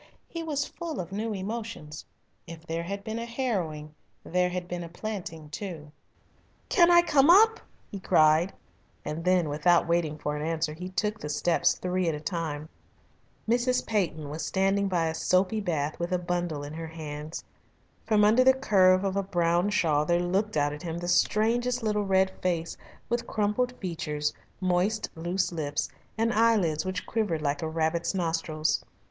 He was full of new emotions. If there had been a harrowing there had been a planting too. "Can I come up?" he cried, and then, without waiting for an answer, he took the steps three at a time. Mrs. Peyton was standing by a soapy bath with a bundle in her hands. From under the curve of a brown shawl there looked out at him the strangest little red face with crumpled features, moist, loose lips, and eyelids which quivered like a rabbit's nostrils.